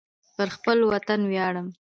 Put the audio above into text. زه پر خپل وطن ویاړم